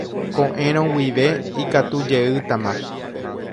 Ko'ẽrõ guive ikatujeýtama.